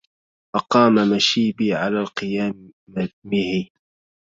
أقام مشيبي علي القيامه